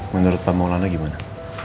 menurut pak maulana gimana